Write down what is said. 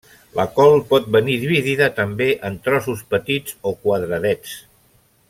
La col pot venir dividida també en trossos petits o quadradets.